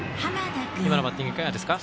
今のバッティング、いかがですか。